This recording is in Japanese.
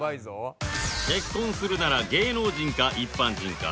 結婚するなら芸能人か一般人か